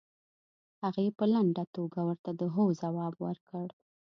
هغې په لنډه توګه ورته د هو ځواب ورکړ.